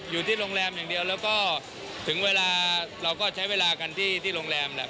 อยู่ที่โรงแรมอย่างเดียวแล้วก็ถึงเวลาเราก็ใช้เวลากันที่โรงแรมแหละ